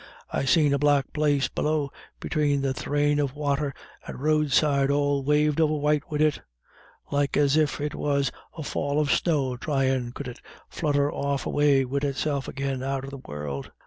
I seen a black place below between the sthrame of wather and the roadside all waved over white wid it, like as if it was a fall of snow thryin' could it flutter off away wid itself agin out of the world.